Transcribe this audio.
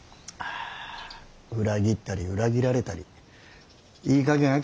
裏切ったり裏切られたりいいかげん飽きた。